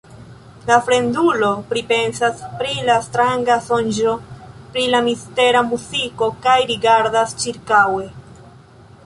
La fremdulo pripensas pri la stranga sonĝo, pri la mistera muziko kaj rigardas ĉirkaŭe.